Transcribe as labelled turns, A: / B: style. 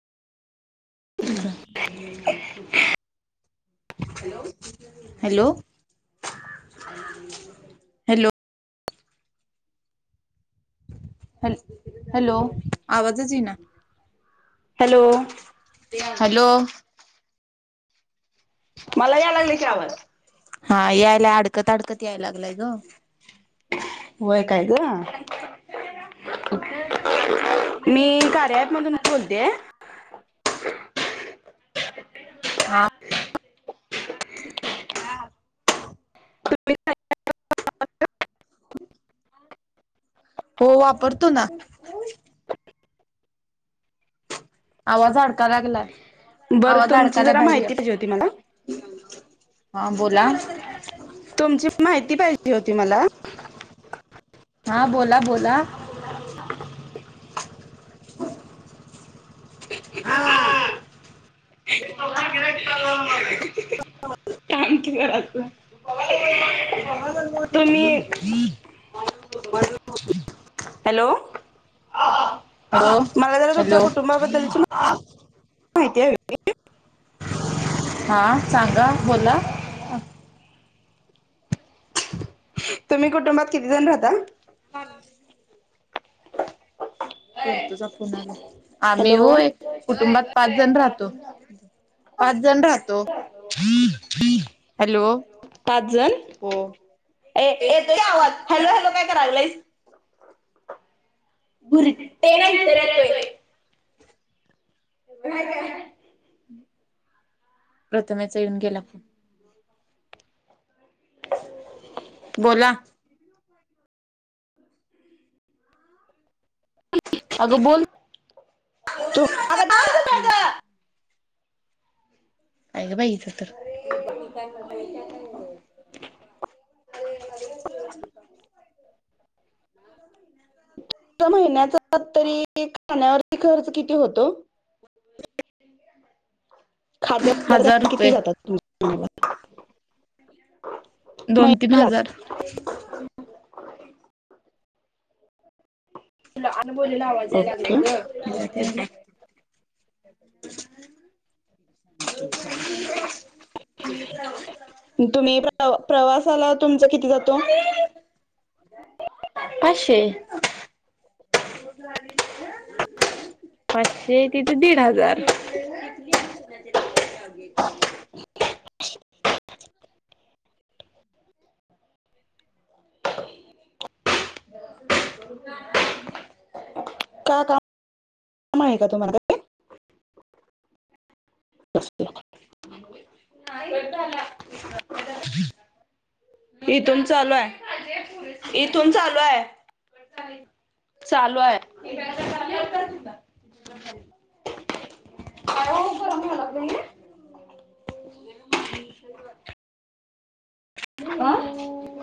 A: Hello
B: [inaudible]
A: hello hello hello आवाजच इना
B: hello
A: hello
B: [unintelligible] मला यालागलयकी आवाज.
A: हां यायला अडकत अडकत याय लागलाय गं.
B: मीइ कार्या ऍप मधून बोलतीये. [inaudible]
A: हा
B: [inaudible]
A: [unintelligible]
B: [unintelligible]
A: होओ वापरतोना. आवाज अडका लागलाय.
B: बरं
A: आवाज
B: तुमची
A: अडकालाय
B: जरा माहिती [inaudible] पाहिजे होती मला
A: हां बोला.
B: तुमची [inaudible] माहिती पाहिजे जी होती मला.
A: हां बोलाबोला.
B: [inaudible] तुम्ही
A: [inaudible]
B: हॅलो
A: हॅलो
B: मला जरा तुमच्या
A: हॅलो
B: कुटुंबाबद्दलची मा माहिती हवी होती
A: हां सांगा बोला
B: तुम्ही कुटुंबात किती जण राहता?
A: पाच [inaudible] तुझा फोन आला आम्ही
B: हॅलो
A: होय कुटुंबात पाचजन राहतो पाचजन राहतो. हॅलो
B: पाचजण
A: हो भुरं टे नंतर येतोय काय काय? प्रथमेशचा येऊन गेला
B: [inaudible]
A: बोला अगं बोल
B: तू अग थांब इथं
A: हम्म
B: जरा.
A: आहे ग बाई इथं तर.
B: त महिन्याचा तरी खाण्यावरती खर्च किती होतो? खाद्य
A: हजार
B: किती
A: रुपये
B: जाता तूमचं?
A: दोन-तीन हजार तुला अनुभवलीला आवाज द्यायला लावलाय
B: ओके
A: ग [inaudible]
B: तुम्ही प्र प्रवास सलाद तुमचा किती जातो?
A: पाचशे तिथे दीड हजार [unintelligible]
B: [inaudible] का का? काम आहे का तुम्हाला काही? इथून चालू आहे. इथून चालू आहे. चालू आहे. कायमहीलाग नाही [unintelligible] अह